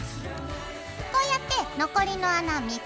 こうやって残りの穴３つ。